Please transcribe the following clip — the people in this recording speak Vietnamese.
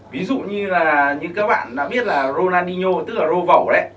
ví dụ như là như các bạn đã biết là ronaldinho tức là ro vẩu đấy